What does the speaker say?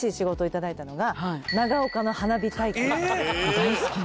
大好きな。